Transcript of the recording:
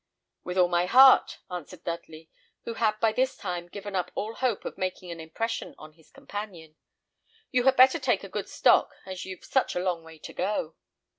"With all my heart," answered Dudley, who had by this time given up all hope of making an impression on his companion. "You had better take a good stock, as you've such a long way to go."